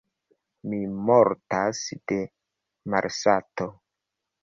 Mi mortas de malsato!